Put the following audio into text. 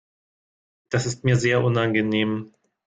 Das ist mir sehr unangenehm.